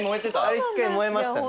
あれ一回燃えましたね。